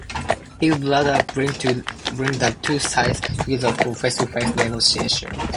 He would later bring the two sides together for face-to-face negotiations.